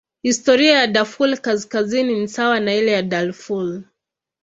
Historia ya Darfur Kaskazini ni sawa na ile ya Darfur.